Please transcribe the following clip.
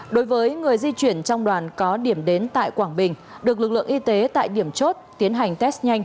đối với người di chuyển trong đoàn có điểm đến tại quảng bình được lực lượng y tế tại điểm chốt tiến hành test nhanh